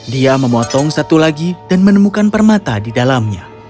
dia memotong satu lagi dan menemukan permata di dalamnya